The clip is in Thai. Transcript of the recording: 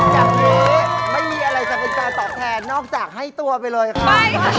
จากนี้ไม่มีอะไรจะเป็นการตอบแทนนอกจากให้ตัวไปเลยค่ะ